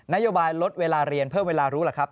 นโยบายลดเวลาเรียนเพิ่มเวลารู้ล่ะครับ